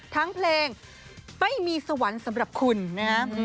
ทั้งเพลงไม่มีสวรรค์สำหรับคุณนะครับ